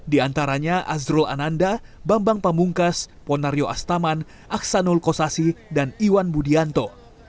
di antaranya azrul ananda bambang pamungkas ponario astaman aksanul kosasi dan iwan budianto